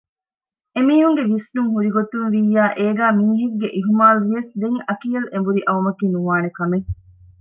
އެމީހުން ގެ ވިސްނުން ހުރިގޮތުންވިއްޔާ އޭގައި މީހެއްގެ އިހުމާލުވިޔަސް ދެން އަކިޔަލް އެނބުރި އައުމަކީ ނުވާނެކަމެއް